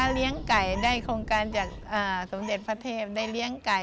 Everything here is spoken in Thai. เลี้ยงไก่ได้โครงการจากสมเด็จพระเทพได้เลี้ยงไก่